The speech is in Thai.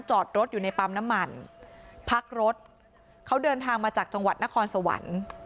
จอดรถอยู่ในปั๊มน้ำมันพักรถเขาเดินทางมาจากจังหวัดนครสวรรค์